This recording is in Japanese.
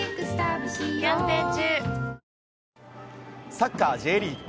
サッカーＪリーグ。